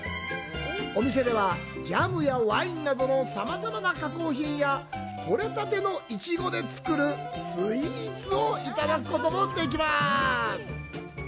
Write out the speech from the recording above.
お店では、ジャムやワインなどのさまざまな加工品や取れたてのイチゴで作るスイーツをいただくことができます。